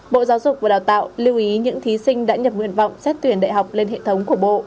bộ giáo dục và đào tạo lưu ý những thí sinh đã nhập nguyện vọng xét tuyển đại học lên hệ thống của bộ